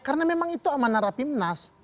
karena memang itu amanah rapim nas